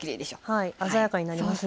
はい鮮やかになりますね。